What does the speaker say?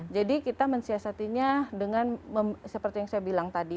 jadi kita mensiasatinya dengan seperti yang saya bilang tadi